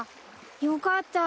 よかった。